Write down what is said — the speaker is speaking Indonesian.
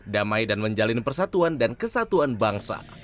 damai dan menjalin persatuan dan kesatuan bangsa